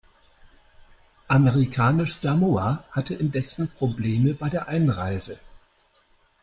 Amerikanisch-Samoa hatte indessen Probleme bei der Einreise.